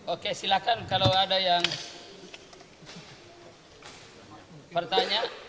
oke silahkan kalau ada yang bertanya